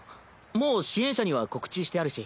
もう支援者には告知してあるし。